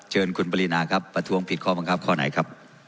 เชิญคุณปรินาครับประท้วงผิดข้อบังคับข้อไหนครับ